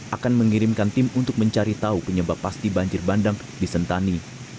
akan mengirimkan tim untuk mencari tahu penyebab pasti banjir bandang di sentani